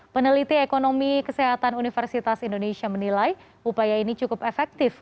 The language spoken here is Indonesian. peneliti ekonomi kesehatan universitas indonesia menilai upaya ini cukup efektif